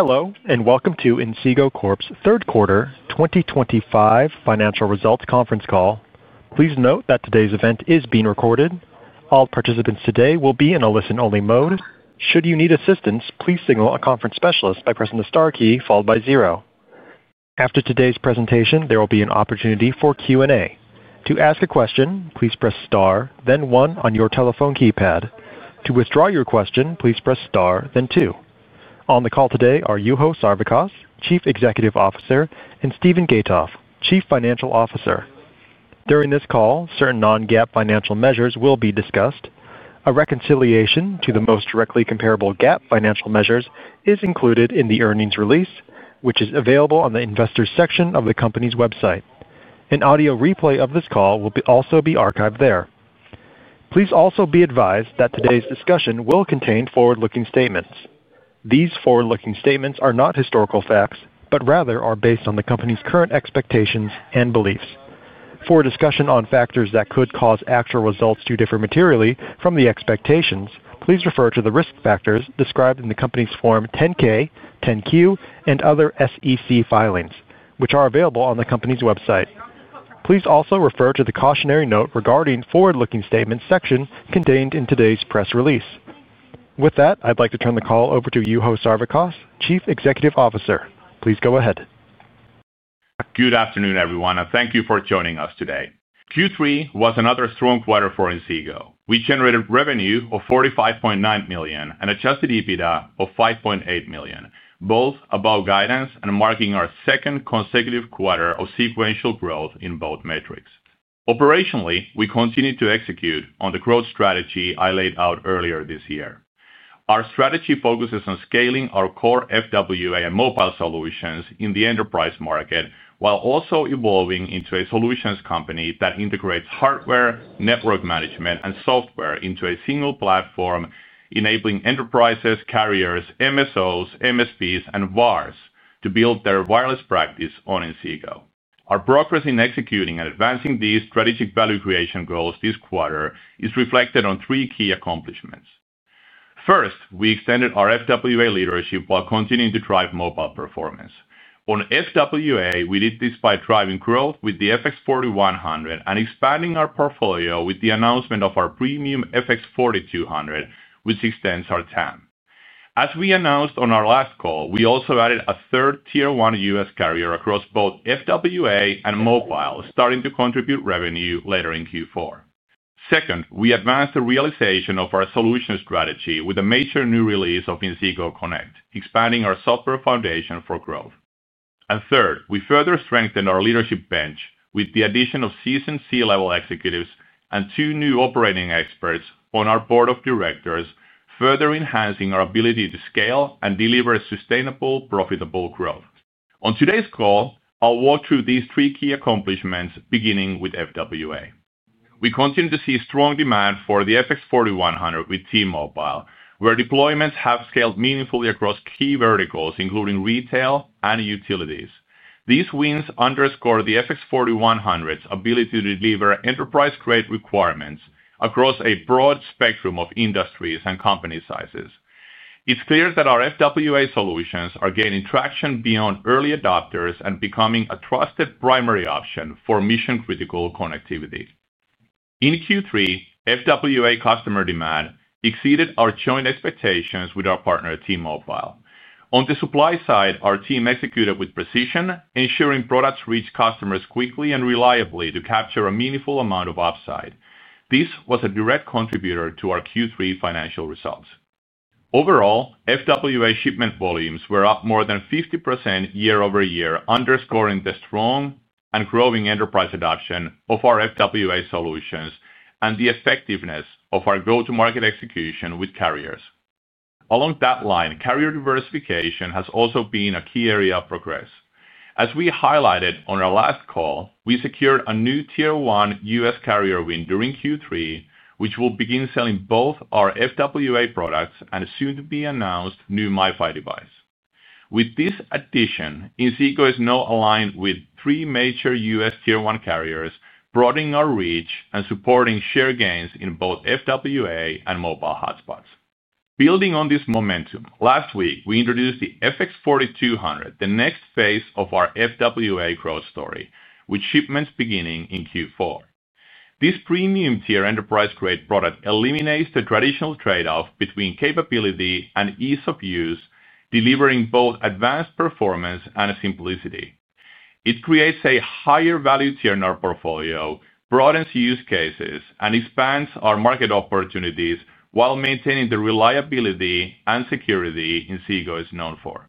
Hello, and welcome to Inseego Corp's third quarter 2025 financial results conference call. Please note that today's event is being recorded. All participants today will be in a listen-only mode. Should you need assistance, please signal a conference specialist by pressing the star key followed by zero. After today's presentation, there will be an opportunity for Q&A. To ask a question, please press star, then one on your telephone keypad. To withdraw your question, please press star, then two. On the call today are Juho Sarvikas, Chief Executive Officer, and Steven Gatoff, Chief Financial Officer. During this call, certain non-GAAP financial measures will be discussed. A reconciliation to the most directly comparable GAAP financial measures is included in the earnings release, which is available on the investor section of the company's website. An audio replay of this call will also be archived there. Please also be advised that today's discussion will contain forward-looking statements. These forward-looking statements are not historical facts but rather are based on the company's current expectations and beliefs. For discussion on factors that could cause actual results to differ materially from the expectations, please refer to the risk factors described in the company's Form 10-K, 10-Q, and other SEC filings, which are available on the company's website. Please also refer to the cautionary note regarding the forward-looking statements section contained in today's press release. With that, I'd like to turn the call over to Juho Sarvikas, Chief Executive Officer. Please go ahead. Good afternoon, everyone, and thank you for joining us today. Q3 was another strong quarter for Inseego. We generated revenue of $45.9 million and adjusted EBITDA of $5.8 million, both above guidance and marking our second consecutive quarter of sequential growth in both metrics. Operationally, we continue to execute on the growth strategy I laid out earlier this year. Our strategy focuses on scaling our core FWA and mobile solutions in the enterprise market while also evolving into a solutions company that integrates hardware, network management, and software into a single platform, enabling enterprises, carriers, MSOs, MSPs, and VARs to build their wireless practice on Inseego. Our progress in executing and advancing these strategic value creation goals this quarter is reflected on three key accomplishments. First, we extended our FWA leadership while continuing to drive mobile performance. On FWA, we did this by driving growth with the FX4100 and expanding our portfolio with the announcement of our premium FX4200, which extends our TAM. As we announced on our last call, we also added a third Tier-1 U.S. carrier across both FWA and mobile, starting to contribute revenue later in Q4. Second, we advanced the realization of our solution strategy with a major new release of Inseego Connect, expanding our software foundation for growth. Third, we further strengthened our leadership bench with the addition of seasoned C-level executives and two new operating experts on our board of directors, further enhancing our ability to scale and deliver sustainable, profitable growth. On today's call, I'll walk through these three key accomplishments, beginning with FWA. We continue to see strong demand for the FX4100 with T-Mobile, where deployments have scaled meaningfully across key verticals, including retail and utilities. These wins underscore the FX4100's ability to deliver enterprise-grade requirements across a broad spectrum of industries and company sizes. It's clear that our FWA solutions are gaining traction beyond early adopters and becoming a trusted primary option for mission-critical connectivity. In Q3, FWA customer demand exceeded our joint expectations with our partner T-Mobile. On the supply side, our team executed with precision, ensuring products reach customers quickly and reliably to capture a meaningful amount of upside. This was a direct contributor to our Q3 financial results. Overall, FWA shipment volumes were up more than 50% year-over-year, underscoring the strong and growing enterprise adoption of our FWA solutions and the effectiveness of our go-to-market execution with carriers. Along that line, carrier diversification has also been a key area of progress. As we highlighted on our last call, we secured a new Tier-1 U.S. carrier win during Q3, which will begin selling both our FWA products and a soon-to-be-announced new MiFi device. With this addition, Inseego is now aligned with three major U.S. Tier 1 carriers, broadening our reach and supporting share gains in both FWA and mobile hotspots. Building on this momentum, last week, we introduced the FX4200, the next phase of our FWA growth story, with shipments beginning in Q4. This premium-tier enterprise-grade product eliminates the traditional trade-off between capability and ease of use, delivering both advanced performance and simplicity. It creates a higher-value tier in our portfolio, broadens use cases, and expands our market opportunities while maintaining the reliability and security Inseego is known for.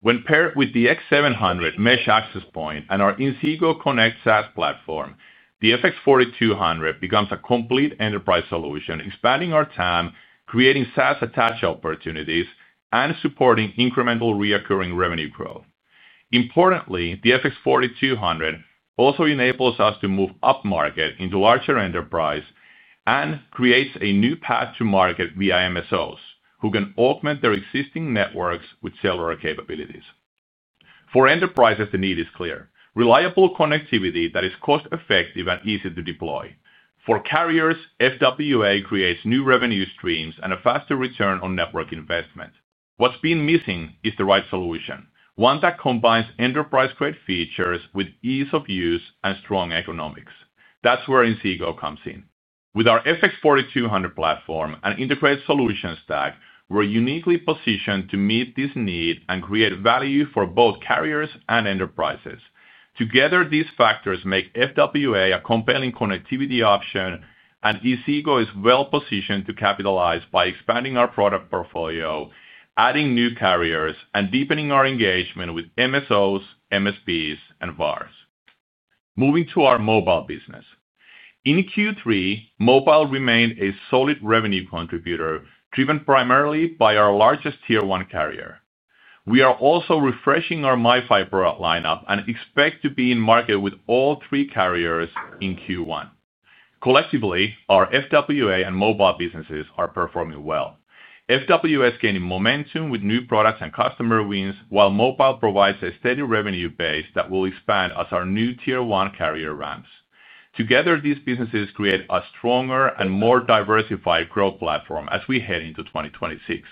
When paired with the X700 Mesh Access Point and our Inseego Connect SaaS platform, the FX4200 becomes a complete enterprise solution, expanding our TAM, creating SaaS attach opportunities, and supporting incremental recurring revenue growth. Importantly, the FX4200 also enables us to move up-market into larger enterprise and creates a new path to market via MSOs, who can augment their existing networks with cellular capabilities. For enterprises, the need is clear: reliable connectivity that is cost-effective and easy to deploy. For carriers, FWA creates new revenue streams and a faster return on network investment. What's been missing is the right solution, one that combines enterprise-grade features with ease of use and strong economics. That's where Inseego comes in. With our FX4200 platform and integrated solution stack, we're uniquely positioned to meet this need and create value for both carriers and enterprises. Together, these factors make FWA a compelling connectivity option, and Inseego is well-positioned to capitalize by expanding our product portfolio, adding new carriers, and deepening our engagement with MSOs, MSPs, and VARs. Moving to our mobile business. In Q3, mobile remained a solid revenue contributor, driven primarily by our largest Tier 1 carrier. We are also refreshing our MiFi product lineup and expect to be in market with all three carriers in Q1. Collectively, our FWA and mobile businesses are performing well. FWA is gaining momentum with new products and customer wins, while mobile provides a steady revenue base that will expand as our new Tier 1 carrier runs. Together, these businesses create a stronger and more diversified growth platform as we head into 2026.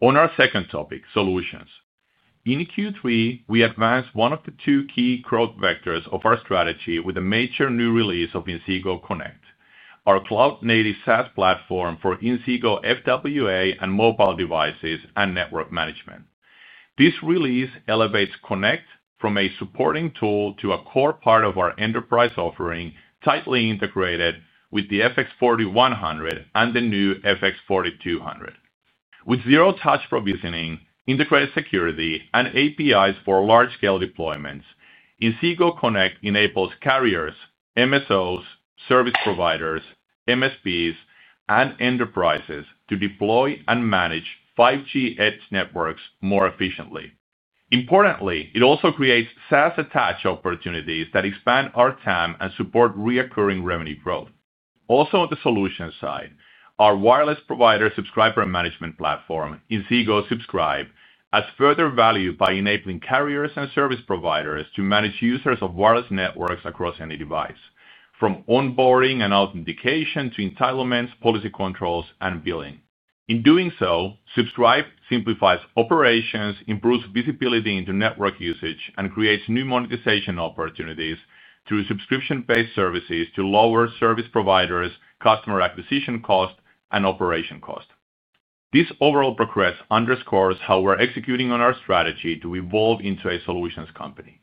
On our second topic, solutions. In Q3, we advanced one of the two key growth vectors of our strategy with a major new release of Inseego Connect, our cloud-native SaaS platform for Inseego FWA and mobile devices and network management. This release elevates Connect from a supporting tool to a core part of our enterprise offering, tightly integrated with the FX4100 and the new FX4200. With zero-touch provisioning, integrated security, and APIs for large-scale deployments, Inseego Connect enables carriers, MSOs, service providers, MSPs, and enterprises to deploy and manage 5G edge networks more efficiently. Importantly, it also creates SaaS attach opportunities that expand our TAM and support recurring revenue growth. Also, on the solution side, our wireless provider subscriber management platform, Inseego Subscribe, adds further value by enabling carriers and service providers to manage users of wireless networks across any device, from onboarding and authentication to entitlements, policy controls, and billing. In doing so, Subscribe simplifies operations, improves visibility into network usage, and creates new monetization opportunities through subscription-based services to lower service providers' customer acquisition cost and operation cost. This overall progress underscores how we're executing on our strategy to evolve into a solutions company.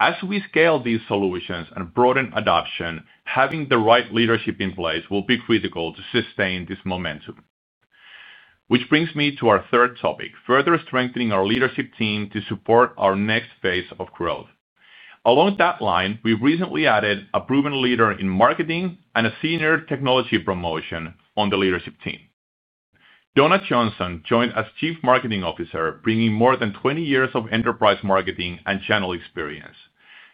As we scale these solutions and broaden adoption, having the right leadership in place will be critical to sustain this momentum. Which brings me to our third topic, further strengthening our leadership team to support our next phase of growth. Along that line, we recently added a proven leader in marketing and a senior technology promotion on the leadership team. Donna Johnson joined as Chief Marketing Officer, bringing more than 20 years of enterprise marketing and channel experience.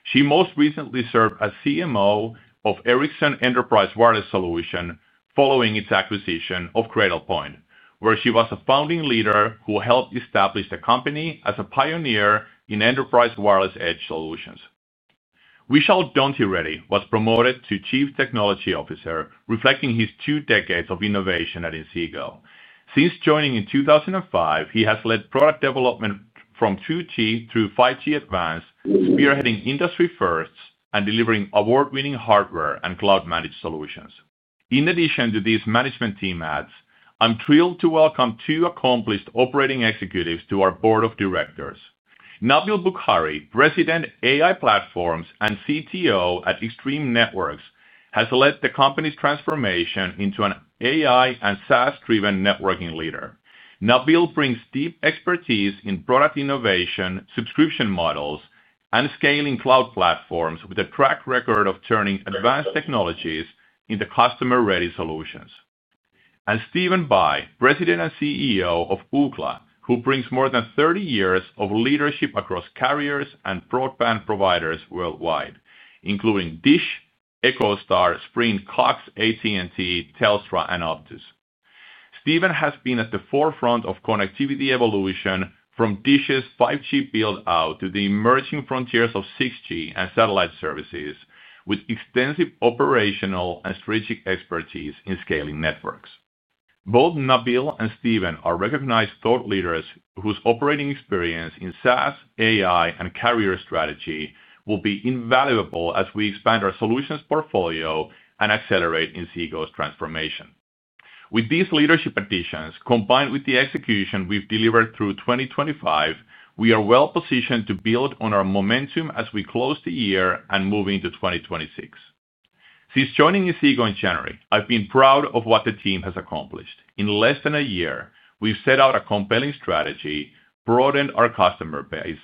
She most recently served as CMO of Ericsson Enterprise Wireless Solutions following its acquisition of Cradlepoint, where she was a founding leader who helped establish the company as a pioneer in enterprise wireless edge solutions. Vishal Donthireddy was promoted to Chief Technology Officer, reflecting his two decades of innovation at Inseego. Since joining in 2005, he has led product development from 2G through 5G Advanced, spearheading industry-first and delivering award-winning hardware and cloud-managed solutions. In addition to these management team adds, I'm thrilled to welcome two accomplished operating executives to our board of directors. Nabil Bukhari, President, AI Platforms, and CTO at Extreme Networks, has led the company's transformation into an AI and SaaS-driven networking leader. Nabil brings deep expertise in product innovation, subscription models, and scaling cloud platforms with a track record of turning advanced technologies into customer-ready solutions. Stephen Bye, President and CEO of Ookla, who brings more than 30 years of leadership across carriers and broadband providers worldwide, including DISH, EchoStar, Sprint, Cox, AT&T, Telstra, and Optus. Steven has been at the forefront of connectivity evolution, from DISH's 5G build-out to the emerging frontiers of 6G and satellite services, with extensive operational and strategic expertise in scaling networks. Both Nabil and Stephen are recognized thought leaders whose operating experience in SaaS, AI, and carrier strategy will be invaluable as we expand our solutions portfolio and accelerate Inseego's transformation. With these leadership additions, combined with the execution we have delivered through 2025, we are well-positioned to build on our momentum as we close the year and move into 2026. Since joining Inseego in January, I have been proud of what the team has accomplished. In less than a year, we've set out a compelling strategy, broadened our customer base,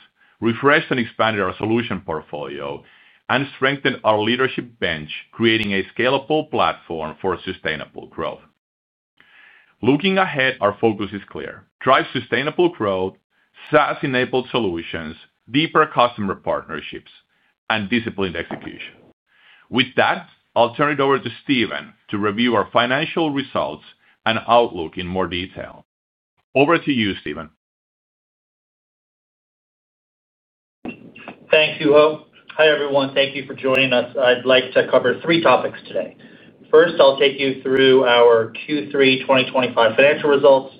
refreshed and expanded our solution portfolio, and strengthened our leadership bench, creating a scalable platform for sustainable growth. Looking ahead, our focus is clear: drive sustainable growth, SaaS-enabled solutions, deeper customer partnerships, and disciplined execution. With that, I'll turn it over to Steven to review our financial results and outlook in more detail. Over to you, Steven. Thanks, Juho. Hi, everyone. Thank you for joining us. I'd like to cover three topics today. First, I'll take you through our Q3 2025 financial results.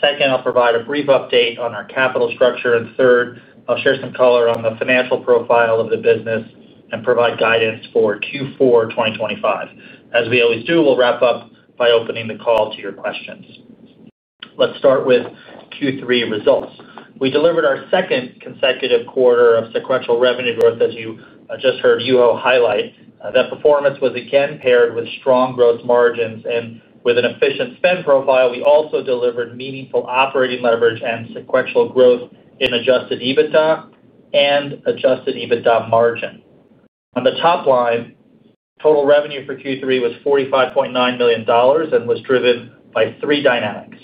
Second, I'll provide a brief update on our capital structure. And third, I'll share some color on the financial profile of the business and provide guidance for Q4 2025. As we always do, we'll wrap up by opening the call to your questions. Let's start with Q3 results. We delivered our second consecutive quarter of sequential revenue growth, as you just heard Juho highlight. That performance was, again, paired with strong gross margins and with an efficient spend profile. We also delivered meaningful operating leverage and sequential growth in adjusted EBITDA and adjusted EBITDA margin. On the top line, total revenue for Q3 was $45.9 million and was driven by three dynamics.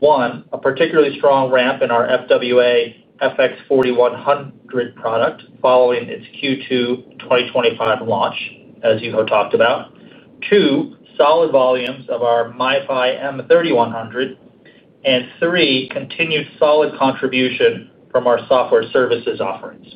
One, a particularly strong ramp in our FWA FX4100 product following its Q2 2023 launch, as Juho talked about. Two, solid volumes of our MiFi M3100. And three, continued solid contribution from our software services offerings.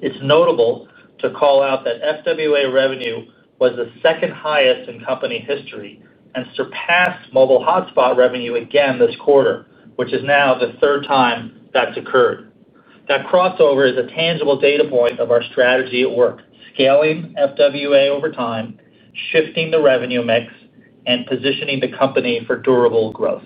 It is notable to call out that FWA revenue was the second highest in company history and surpassed mobile hotspot revenue again this quarter, which is now the third time that has occurred. That crossover is a tangible data point of our strategy at work, scaling FWA over time, shifting the revenue mix, and positioning the company for durable growth.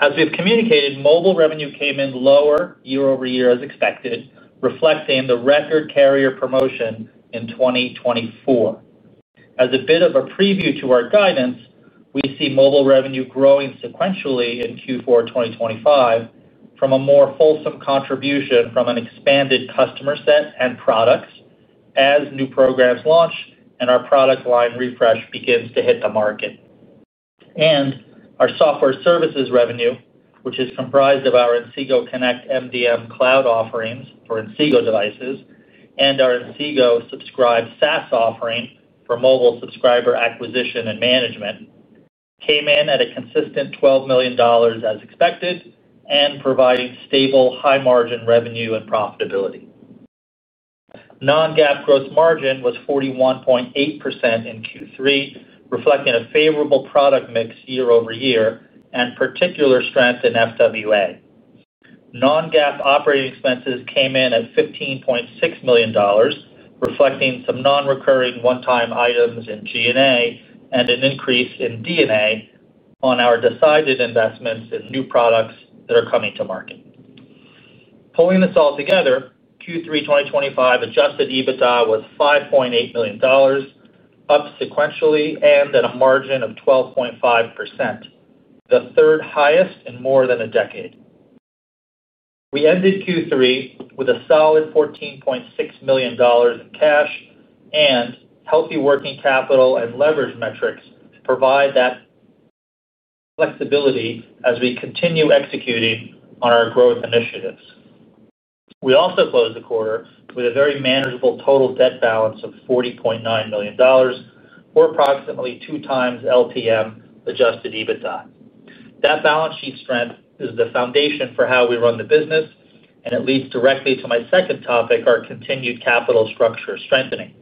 As we've communicated, mobile revenue came in lower year-over-year as expected, reflecting the record carrier promotion in 2024. As a bit of a preview to our guidance, we see mobile revenue growing sequentially in Q4 2025 from a more fulsome contribution from an expanded customer set and products as new programs launch and our product line refresh begins to hit the market. Our software services revenue, which is comprised of our Inseego Connect MDM cloud offerings for Inseego devices and our Inseego Subscribe SaaS offering for mobile subscriber acquisition and management, came in at a consistent $12 million as expected and providing stable high-margin revenue and profitability. Non-GAAP gross margin was 41.8% in Q3, reflecting a favorable product mix year-over-year and particular strength in FWA. Non-GAAP operating expenses came in at $15.6 million, reflecting some non-recurring one-time items in G&A and an increase in D&A on our decided investments in new products that are coming to market. Pulling this all together, Q3 2025 adjusted EBITDA was $5.8 million, up sequentially and at a margin of 12.5%. The third highest in more than a decade. We ended Q3 with a solid $14.6 million in cash, and healthy working capital and leverage metrics provide that flexibility as we continue executing on our growth initiatives. We also closed the quarter with a very manageable total debt balance of $40.9 million, or approximately two times LTM adjusted EBITDA. That balance sheet strength is the foundation for how we run the business, and it leads directly to my second topic, our continued capital structure strengthening.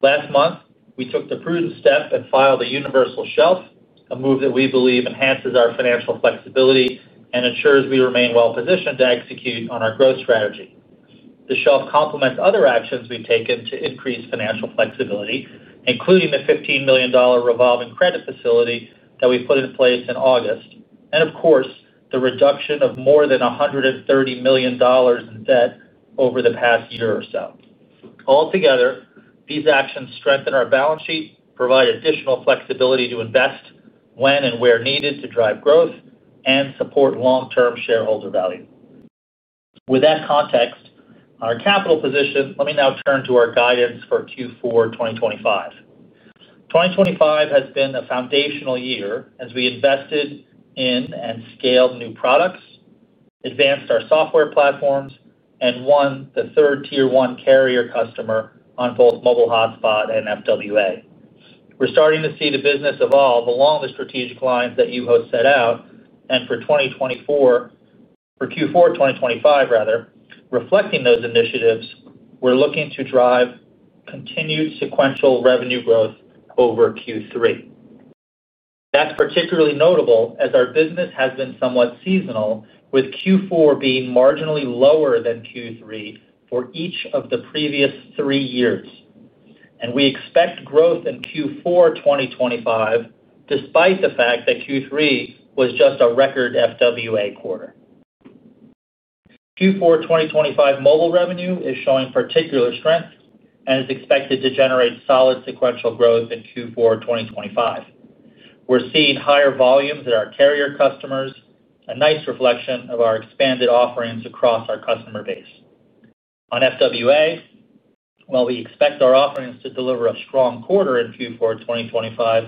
Last month, we took the prudent step and filed a universal shelf, a move that we believe enhances our financial flexibility and ensures we remain well-positioned to execute on our growth strategy. The shelf complements other actions we've taken to increase financial flexibility, including the $15 million revolving credit facility that we put in place in August, and of course, the reduction of more than $130 million in debt over the past year or so. Altogether, these actions strengthen our balance sheet, provide additional flexibility to invest when and where needed to drive growth and support long-term shareholder value. With that context, our capital position, let me now turn to our guidance for Q4 2025. 2025 has been a foundational year as we invested in and scaled new products, advanced our software platforms, and won the third Tier 1 carrier customer on both mobile hotspot and FWA. We're starting to see the business evolve along the strategic lines that Juho set out, and for 2024. For Q4 2025, rather, reflecting those initiatives, we're looking to drive continued sequential revenue growth over Q3. That is particularly notable as our business has been somewhat seasonal, with Q4 being marginally lower than Q3 for each of the previous three years. We expect growth in Q4 2025, despite the fact that Q3 was just a record FWA quarter. Q4 2025 mobile revenue is showing particular strength and is expected to generate solid sequential growth in Q4 2025. We're seeing higher volumes at our carrier customers, a nice reflection of our expanded offerings across our customer base. On FWA. While we expect our offerings to deliver a strong quarter in Q4 2025,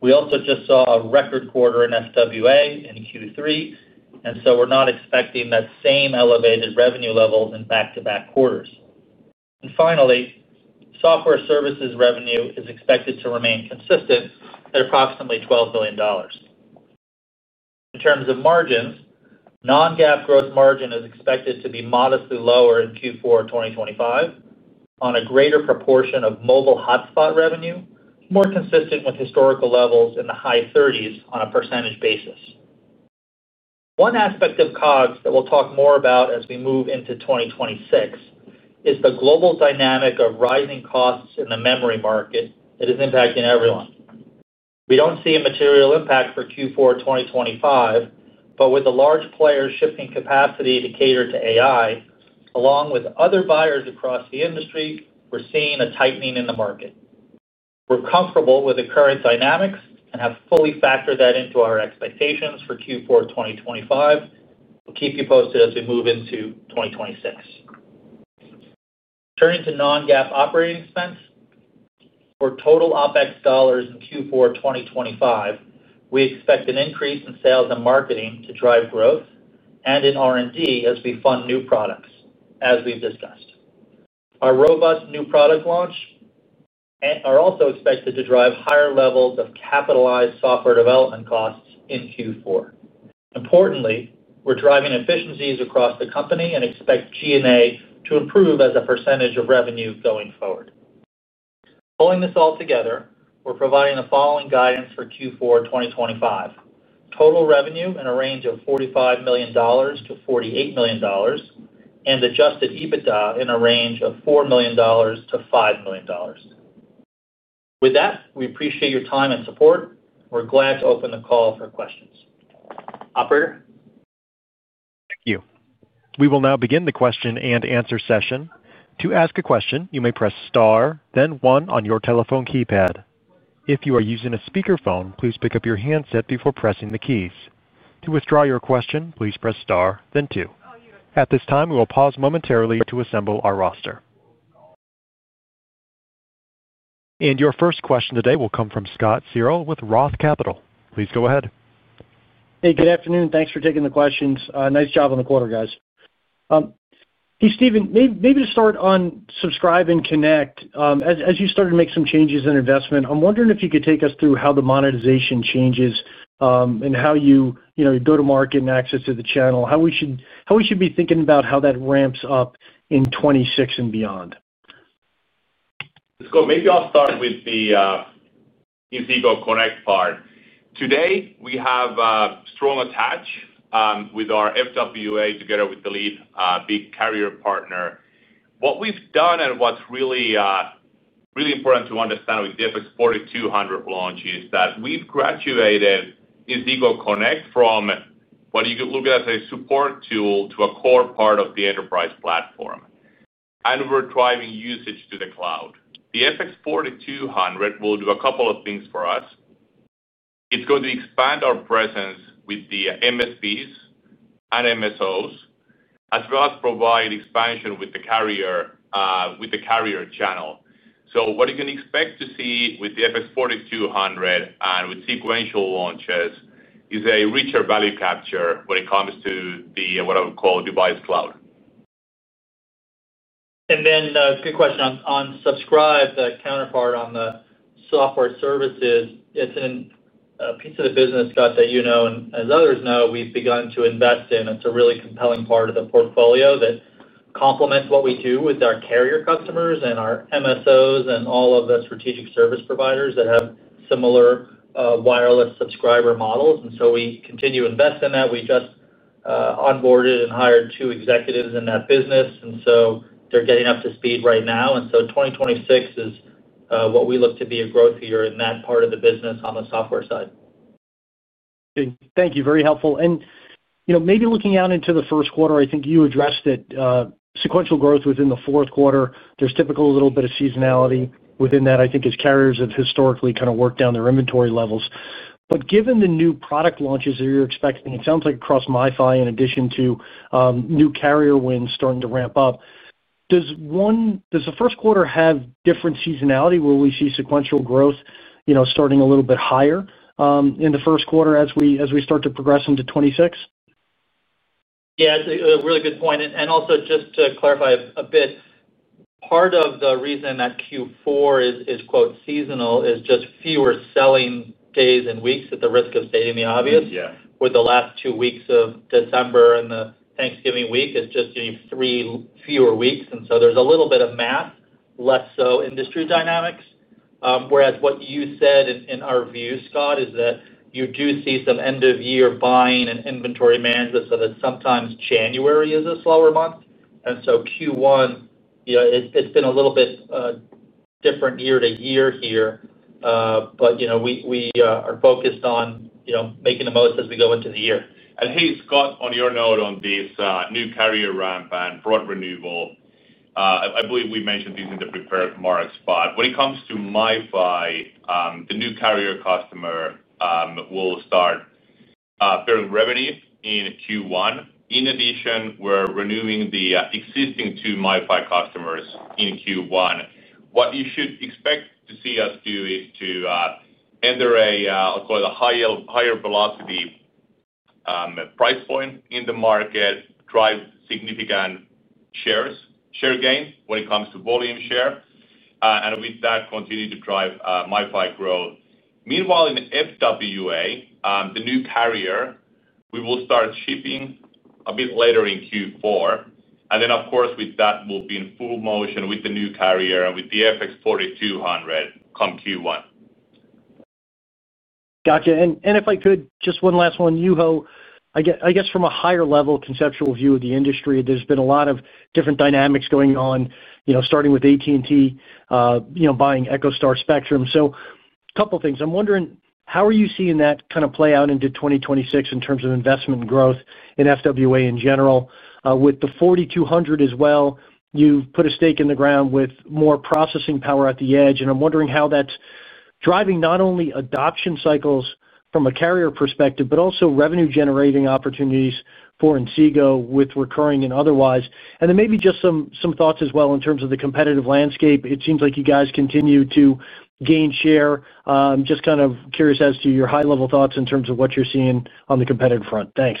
we also just saw a record quarter in FWA in Q3, and so we're not expecting that same elevated revenue levels in back-to-back quarters. Finally, software services revenue is expected to remain consistent at approximately $12 million. In terms of margins, non-GAAP gross margin is expected to be modestly lower in Q4 2025 on a greater proportion of mobile hotspot revenue, more consistent with historical levels in the high 30s on a percentage basis. One aspect of COGS that we'll talk more about as we move into 2026 is the global dynamic of rising costs in the memory market that is impacting everyone. We don't see a material impact for Q4 2025, but with the large players shifting capacity to cater to AI, along with other buyers across the industry, we're seeing a tightening in the market. We're comfortable with the current dynamics and have fully factored that into our expectations for Q4 2025. We'll keep you posted as we move into 2026. Turning to non-GAAP operating expense. For total OpEx dollars in Q4 2025, we expect an increase in sales and marketing to drive growth and in R&D as we fund new products, as we've discussed. Our robust new product launch are also expected to drive higher levels of capitalized software development costs in Q4. Importantly, we're driving efficiencies across the company and expect G&A to improve as a percentage of revenue going forward. Pulling this all together, we're providing the following guidance for Q4 2025: total revenue in a range of $45 million-$48 million. Adjusted EBITDA in a range of $4 million-$5 million. With that, we appreciate your time and support. We're glad to open the call for questions. Operator. Thank you. We will now begin the question and answer session. To ask a question, you may press star, then 1 on your telephone keypad. If you are using a speakerphone, please pick up your handset before pressing the keys. To withdraw your question, please press star, then 2. At this time, we will pause momentarily to assemble our roster. Your first question today will come from Scott Searle with Roth Capital. Please go ahead. Hey, good afternoon. Thanks for taking the questions. Nice job on the quarter, guys. Hey, Steven, maybe to start on Subscribe and Connect, as you started to make some changes in investment, I'm wondering if you could take us through how the monetization changes and how you go to market and access to the channel, how we should be thinking about how that ramps up in 2026 and beyond. Let's go. Maybe I'll start with the Inseego Connect part. Today, we have a strong attach with our FWA together with the lead, big carrier partner. What we've done and what's really important to understand with the FX4200 launch is that we've graduated Inseego Connect from what you could look at as a support tool to a core part of the enterprise platform. And we're driving usage to the cloud. The FX4200 will do a couple of things for us. It's going to expand our presence with the MSPs and MSOs, as well as provide expansion with the carrier channel. What you can expect to see with the FX4200 and with sequential launches is a richer value capture when it comes to what I would call device cloud. A good question on Subscribe, the counterpart on the software services. It's a piece of the business, Scott, that you know and as others know, we've begun to invest in. It's a really compelling part of the portfolio that complements what we do with our carrier customers and our MSOs and all of the strategic service providers that have similar wireless subscriber models. We continue to invest in that. We just onboarded and hired two executives in that business, and they're getting up to speed right now. 2026 is what we look to be a growth year in that part of the business on the software side. Thank you. Very helpful. Maybe looking out into the first quarter, I think you addressed it. Sequential growth within the fourth quarter, there's typically a little bit of seasonality within that, I think, as carriers have historically kind of worked down their inventory levels. Given the new product launches that you're expecting, it sounds like across MiFi, in addition to new carrier wins starting to ramp up, does the first quarter have different seasonality where we see sequential growth starting a little bit higher in the first quarter as we start to progress into 2026? Yeah, it's a really good point. Also, just to clarify a bit, part of the reason that Q4 is "seasonal" is just fewer selling days and weeks at the risk of stating the obvious. With the last two weeks of December and the Thanksgiving week, it is just three fewer weeks. There is a little bit of math, less so industry dynamics. Whereas what you said in our view, Scott, is that you do see some end-of-year buying and inventory management so that sometimes January is a slower month. Q1, it has been a little bit different year to year here. We are focused on making the most as we go into the year. Hey, Scott, on your note on this new carrier ramp and broad renewal, I believe we mentioned these in the prepared marks, but when it comes to MiFi, the new carrier customer will start fair revenue in Q1. In addition, we're renewing the existing two MiFi customers in Q1. What you should expect to see us do is to enter a, I'll call it, a higher velocity price point in the market, drive significant share gain when it comes to volume share, and with that, continue to drive MiFi growth. Meanwhile, in FWA, the new carrier, we will start shipping a bit later in Q4. Of course, with that, we'll be in full motion with the new carrier and with the FX4200 come Q1. Gotcha. If I could, just one last one, Juho, I guess from a higher-level conceptual view of the industry, there's been a lot of different dynamics going on, starting with AT&T buying EchoStar's spectrum. So a couple of things. I'm wondering, how are you seeing that kind of play out into 2026 in terms of investment and growth in FWA in general? With the FX4200 as well, you've put a stake in the ground with more processing power at the edge. I'm wondering how that's driving not only adoption cycles from a carrier perspective, but also revenue-generating opportunities for Inseego with recurring and otherwise. Maybe just some thoughts as well in terms of the competitive landscape. It seems like you guys continue to gain share. Just kind of curious as to your high-level thoughts in terms of what you're seeing on the competitive front. Thanks.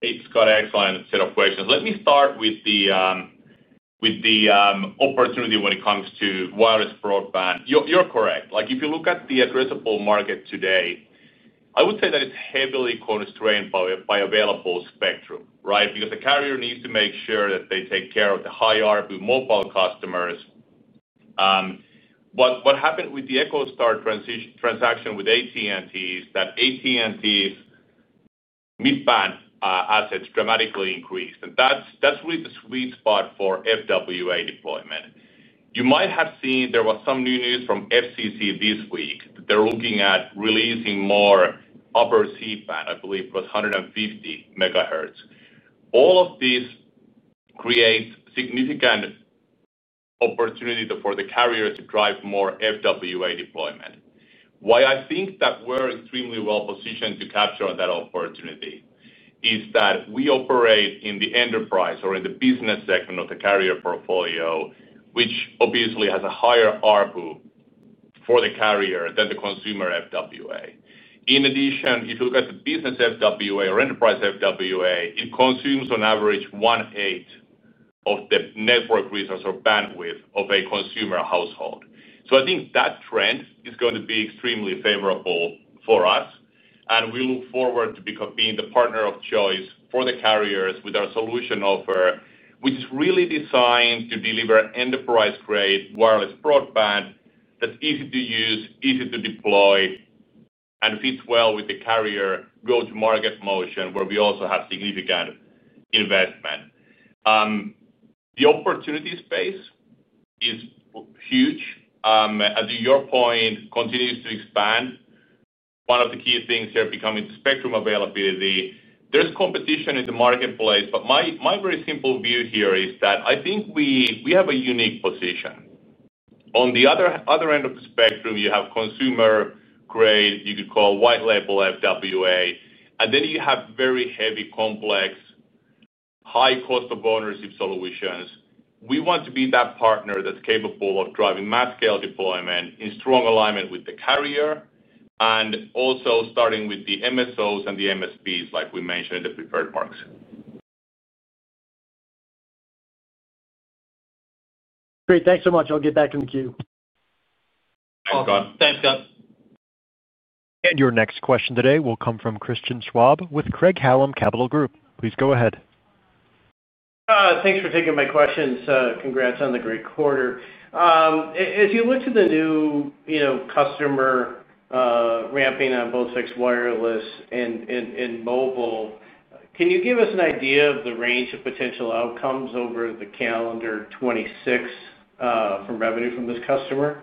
Hey, Scott, excellent set of questions. Let me start with the opportunity when it comes to wireless broadband. You're correct. If you look at the addressable market today, I would say that it's heavily constrained by available spectrum, right? Because the carrier needs to make sure that they take care of the high ARPU mobile customers. What happened with the EchoStar transaction with AT&T is that AT&T's midband assets dramatically increased. That is really the sweet spot for FWA deployment. You might have seen there was some new news from FCC this week. They are looking at releasing more upper C-band, I believe it was 150 megahertz. All of this creates significant opportunity for the carriers to drive more FWA deployment. Why I think that we are extremely well-positioned to capture that opportunity is that we operate in the enterprise or in the business segment of the carrier portfolio, which obviously has a higher ARPU for the carrier than the consumer FWA. In addition, if you look at the business FWA or enterprise FWA, it consumes on average 1/8 of the network resource or bandwidth of a consumer household. I think that trend is going to be extremely favorable for us. We look forward to being the partner of choice for the carriers with our solution offer, which is really designed to deliver enterprise-grade wireless broadband that's easy to use, easy to deploy, and fits well with the carrier go-to-market motion where we also have significant investment. The opportunity space is huge. At your point, continues to expand. One of the key things here becoming the spectrum availability. There's competition in the marketplace, but my very simple view here is that I think we have a unique position. On the other end of the spectrum, you have consumer-grade, you could call white-label FWA, and then you have very heavy, complex, high-cost-of-ownership solutions. We want to be that partner that's capable of driving mass-scale deployment in strong alignment with the carrier and also starting with the MSOs and the MSPs, like we mentioned in the prepared marks. Great. Thanks so much. I'll get back in the queue. Thanks, Scott. Thanks, Scott. Your next question today will come from Christian Schwab with Craig-Hallum Capital Group. Please go ahead. Thanks for taking my questions. Congrats on the great quarter. As you look to the new customer ramping on both fixed wireless and mobile, can you give us an idea of the range of potential outcomes over the calendar 2026 from revenue from this customer?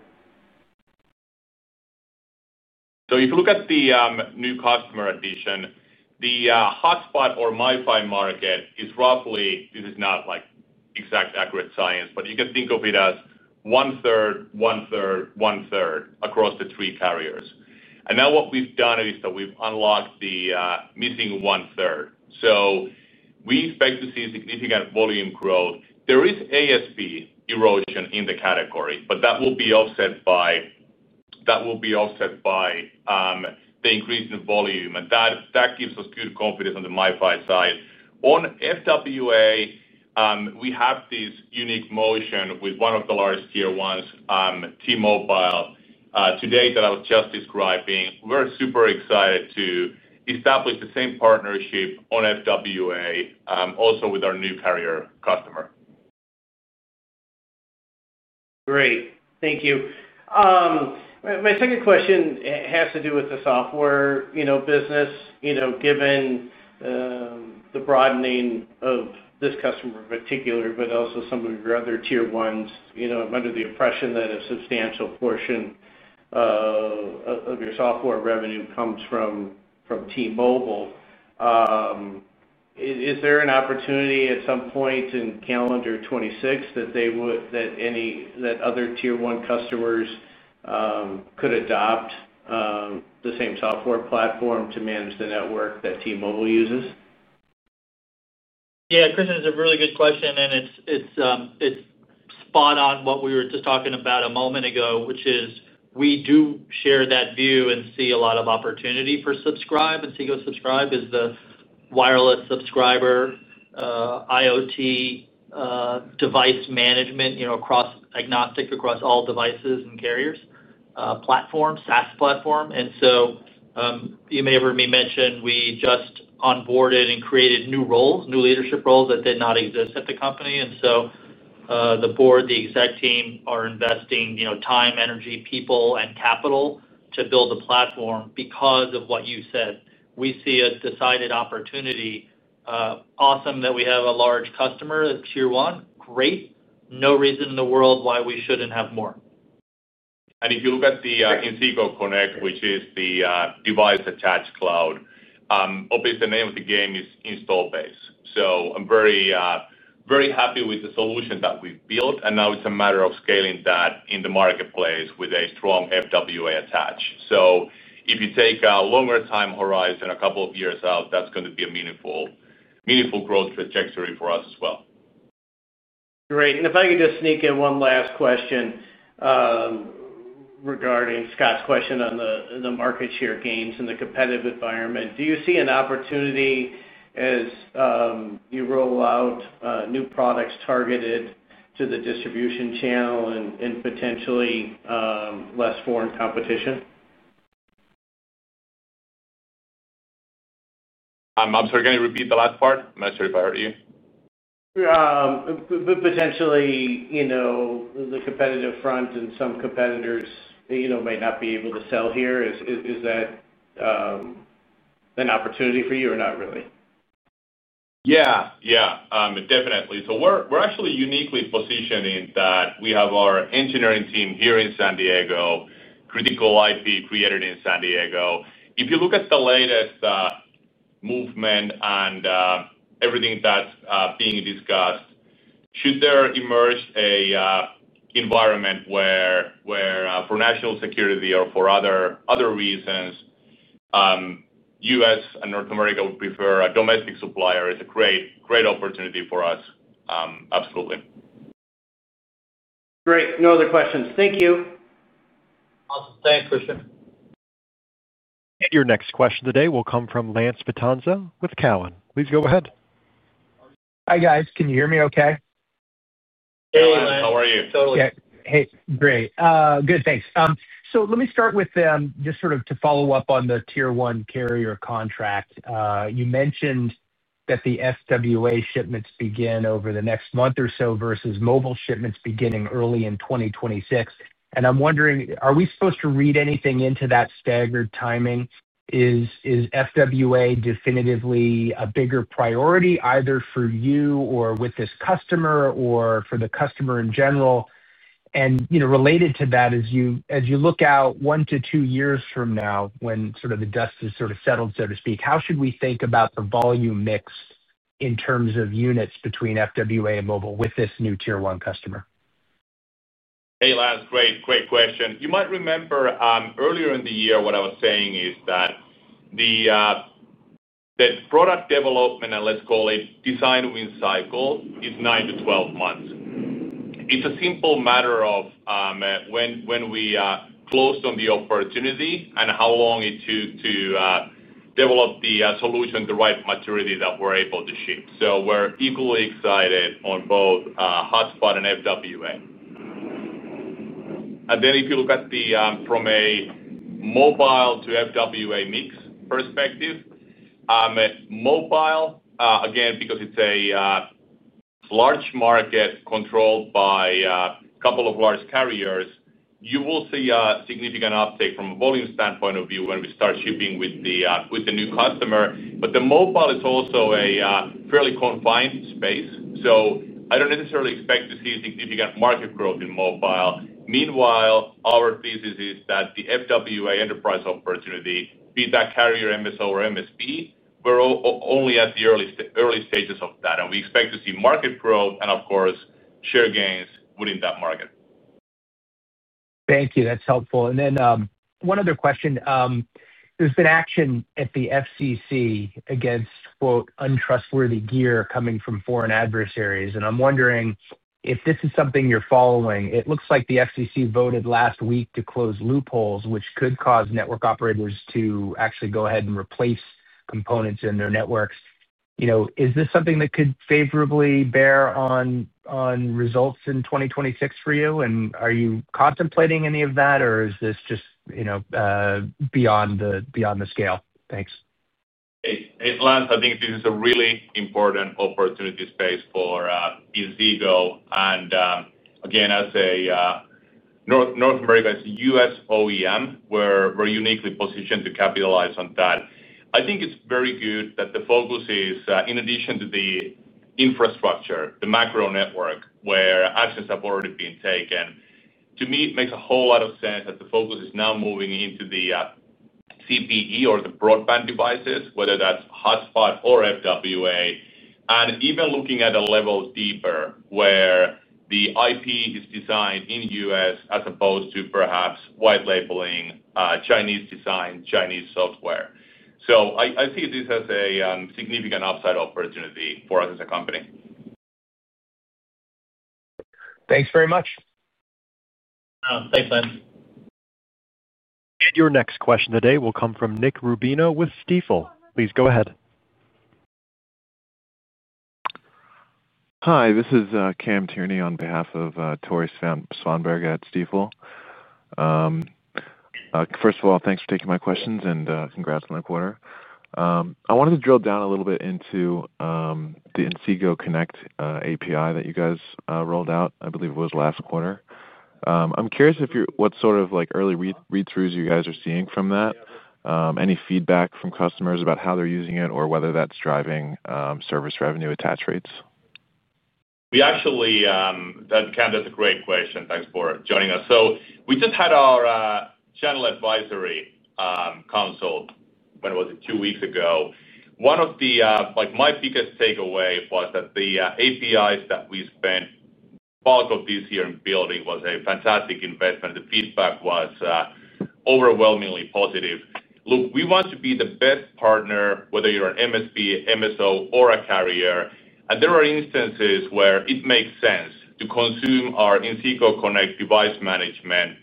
If you look at the new customer addition, the hotspot or MiFi market is roughly—this is not exact accurate science—but you can think of it as one-third, one-third, one-third across the three carriers. What we have done is that we have unlocked the missing one-third. We expect to see significant volume growth. There is ASP erosion in the category, but that will be offset by the increase in volume. That gives us good confidence on the MiFi side. On FWA, we have this unique motion with one of the largest tier ones, T-Mobile, today that I was just describing. We are super excited to establish the same partnership on FWA also with our new carrier customer. Great, thank you. My second question has to do with the software business. Given the broadening of this customer in particular, but also some of your other tier ones, I am under the impression that a substantial portion of your software revenue comes from T-Mobile. Is there an opportunity at some point in calendar 2026 that other tier one customers could adopt? The same software platform to manage the network that T-Mobile uses? Yeah, Christian, is a really good question. It's spot on what we were just talking about a moment ago, which is we do share that view and see a lot of opportunity for Subscribe. Inseego Subscribe is the wireless subscriber IoT device management, agnostic across all devices and carriers, platform, SaaS platform. You may have heard me mention we just onboarded and created new roles, new leadership roles that did not exist at the company. The board, the exec team are investing time, energy, people, and capital to build the platform because of what you said. We see a decided opportunity. Awesome that we have a large customer at tier one. Great. No reason in the world why we shouldn't have more. If you look at the Inseego Connect, which is the device-attached cloud. Obviously, the name of the game is install-based. I am very happy with the solution that we have built. Now it is a matter of scaling that in the marketplace with a strong FWA attach. If you take a longer time horizon, a couple of years out, that is going to be a meaningful growth trajectory for us as well. Great. If I could just sneak in one last question. Regarding Scott's question on the market share gains and the competitive environment, do you see an opportunity as you roll out new products targeted to the distribution channel and potentially less foreign competition? I am sorry, can you repeat the last part? I am not sure if I heard you. Potentially the competitive front and some competitors might not be able to sell here. Is that. An opportunity for you or not really? Yeah, yeah. Definitely. So we're actually uniquely positioned in that we have our engineering team here in San Diego, critical IP created in San Diego. If you look at the latest movement and everything that's being discussed, should there emerge an environment where, for national security or for other reasons, U.S. and North America would prefer a domestic supplier, it's a great opportunity for us. Absolutely. Great. No other questions. Thank you. Awesome. Thanks, Christian. Your next question today will come from Lance Vitanza with Cowen. Please go ahead. Hi, guys. Can you hear me okay? Hey, Lance. How are you? Totally. Hey. Great. Good, thanks. Let me start with just sort of to follow up on the tier one carrier contract. You mentioned that the FWA shipments begin over the next month or so versus mobile shipments beginning early in 2026. I'm wondering, are we supposed to read anything into that staggered timing? Is FWA definitively a bigger priority either for you or with this customer or for the customer in general? Related to that, as you look out one to two years from now, when sort of the dust has sort of settled, so to speak, how should we think about the volume mix in terms of units between FWA and mobile with this new tier one customer? Hey, Lance. Great, great question. You might remember earlier in the year what I was saying is that the product development, and let's call it design win cycle, is 9 months-12 months. It's a simple matter of when we close on the opportunity and how long it took to. Develop the solution to the right maturity that we're able to ship. We're equally excited on both hotspot and FWA. If you look at the mobile to FWA mix perspective, mobile, again, because it's a large market controlled by a couple of large carriers, you will see a significant uptake from a volume standpoint of view when we start shipping with the new customer. The mobile is also a fairly confined space. I don't necessarily expect to see significant market growth in mobile. Meanwhile, our thesis is that the FWA enterprise opportunity, be that carrier, MSO, or MSP, we're only at the early stages of that. We expect to see market growth and, of course, share gains within that market. Thank you. That's helpful. One other question. There's been action at the FCC against "untrustworthy gear" coming from foreign adversaries. I'm wondering if this is something you're following. It looks like the FCC voted last week to close loopholes, which could cause network operators to actually go ahead and replace components in their networks. Is this something that could favorably bear on results in 2026 for you? And are you contemplating any of that, or is this just beyond the scale? Thanks. Hey, Lance, I think this is a really important opportunity space for Inseego. Again, as a North American, as a U.S. OEM, we're uniquely positioned to capitalize on that. I think it's very good that the focus is, in addition to the infrastructure, the macro network where actions have already been taken. To me, it makes a whole lot of sense that the focus is now moving into the CPE or the broadband devices, whether that's hotspot or FWA. Even looking at a level deeper where the IP is designed in the U.S. as opposed to perhaps white-labeling Chinese design, Chinese software. I see this as a significant upside opportunity for us as a company. Thanks very much. Thanks, Lance. Your next question today will come from Nick Rubino with Stifel. Please go ahead. Hi, this is Cam Tierney on behalf of Tore Svanberg at Stifel. First of all, thanks for taking my questions and congrats on the quarter. I wanted to drill down a little bit into the Inseego Connect API that you guys rolled out, I believe it was last quarter. I'm curious what sort of early read-throughs you guys are seeing from that. Any feedback from customers about how they're using it or whether that's driving service revenue attach rates? That's a great question. Thanks for joining us. We just had our general advisory consult, when was it? Two weeks ago. One of my biggest takeaways was that the APIs that we spent the bulk of this year building was a fantastic investment. The feedback was overwhelmingly positive. Look, we want to be the best partner, whether you're an MSP, MSO, or a carrier. There are instances where it makes sense to consume our Inseego Connect device management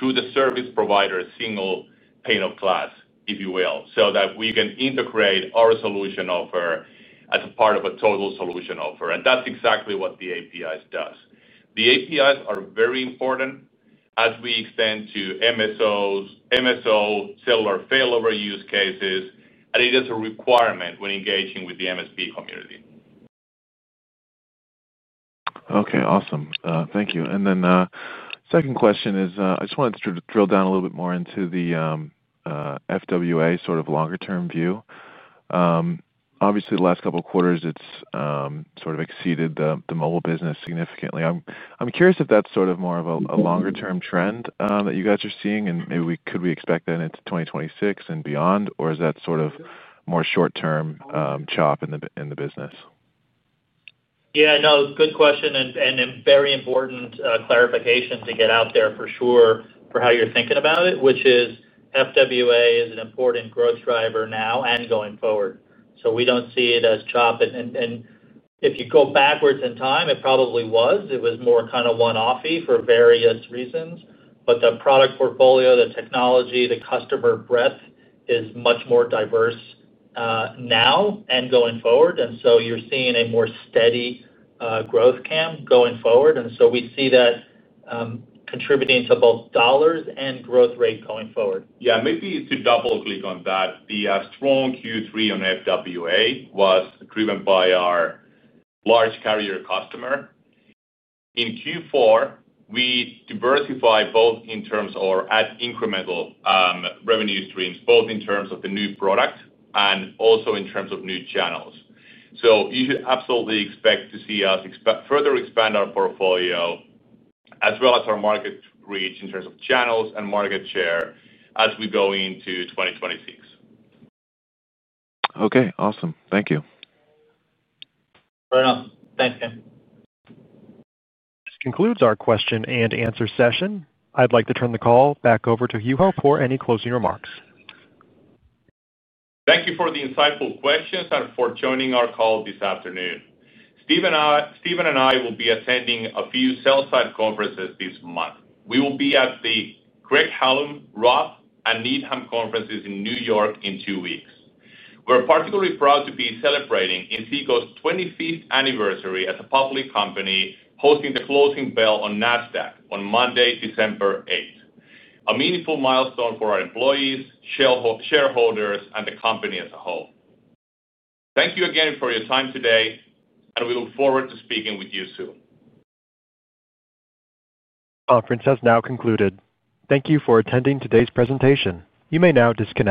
to the service provider, single pane of glass, if you will, so that we can integrate our solution offer as a part of a total solution offer. That's exactly what the APIs does. The APIs are very important as we extend to MSO cellular failover use cases, and it is a requirement when engaging with the MSP community. Okay. Awesome. Thank you. Second question is I just wanted to drill down a little bit more into the FWA sort of longer-term view. Obviously, the last couple of quarters, it has sort of exceeded the mobile business significantly. I'm curious if that is more of a longer-term trend that you guys are seeing, and maybe could we expect that into 2026 and beyond, or is that more short-term chop in the business? Yeah. No, good question. A very important clarification to get out there for sure for how you're thinking about it, which is FWA is an important growth driver now and going forward. We do not see it as chopped. If you go backwards in time, it probably was. It was more kind of one-off-y for various reasons. The product portfolio, the technology, the customer breadth is much more diverse now and going forward. You're seeing a more steady growth, Cam, going forward. We see that contributing to both dollars and growth rate going forward. Yeah. Maybe to double-click on that, the strong Q3 on FWA was driven by our large carrier customer. In Q4, we diversified both in terms of our incremental revenue streams, both in terms of the new product and also in terms of new channels. You should absolutely expect to see us further expand our portfolio as well as our market reach in terms of channels and market share as we go into 2026. Okay. Awesome. Thank you. Fair enough. Thanks, Cam. This concludes our question and answer session. I'd like to turn the call back over to Juho for any closing remarks. Thank you for the insightful questions and for joining our call this afternoon. Steven and I will be attending a few sell-side conferences this month. We will be at the Craig-Hallum, Rob, and Needham conferences in New York in two weeks. We're particularly proud to be celebrating Inseego's 25th anniversary as a public company hosting the closing bell on Nasdaq on Monday, December 8. A meaningful milestone for our employees, shareholders, and the company as a whole. Thank you again for your time today, and we look forward to speaking with you soon. Conference has now concluded. Thank you for attending today's presentation. You may now disconnect.